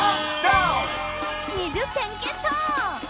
２０点ゲット！